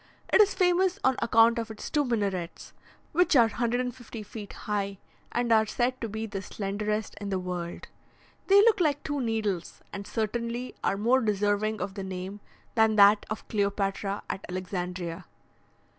It is famous on account of its two minarets, which are 150 feet high, and are said to be the slenderest in the world. They look like two needles, and certainly are more deserving of the name than that of Cleopatra at Alexandria.